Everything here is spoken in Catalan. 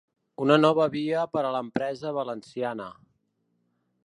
Una nova via per a l’empresa valenciana.